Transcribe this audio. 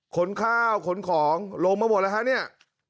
ขนข้าวขนของลงมาหมดแล้วฮะเนี่ย